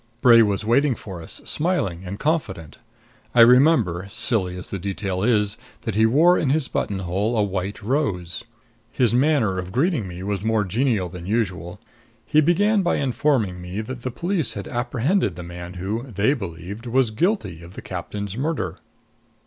Bray was waiting for us, smiling and confident. I remember silly as the detail is that he wore in his buttonhole a white rose. His manner of greeting me was more genial than usual. He began by informing me that the police had apprehended the man who, they believed, was guilty of the captain's murder.